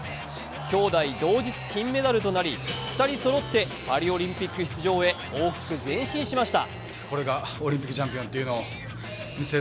きょうだい同日金メダルとなり２人そろってパリオリンピック出場へ大きく前進しました。